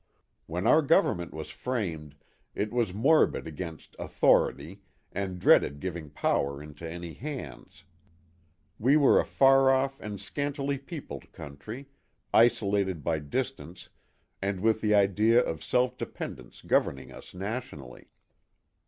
When our government was framed it was morbid against " authority " and dreaded giving power into any hands. We were a far off and scantily peopled country, isolated by distance and with the idea of self dependence governing us nationally.